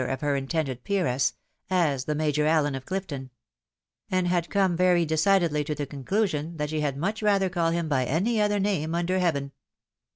29 of her intended peeress, as the Major Allen of CHfton ; and had come very decidedly to the conclusion that she had much rather call him by any other name under heaven.